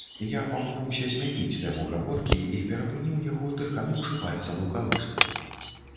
Я памкнуўся змяніць тэму гаворкі і перапыніў яго, тыркануўшы пальцам у калыску.